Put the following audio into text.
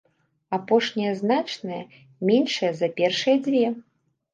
Апошняя значная меншая за першыя дзве.